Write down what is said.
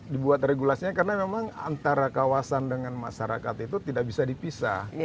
dibuat regulasinya karena memang antara kawasan dengan masyarakat itu tidak bisa dipisah